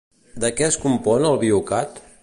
De què es compon el Biocat?